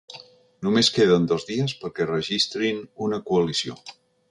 Només queden dos dies perquè registrin una coalició.